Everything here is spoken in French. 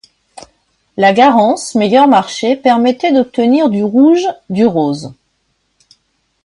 La garance, meilleur marché, permettait d'obtenir du rouge, du rose.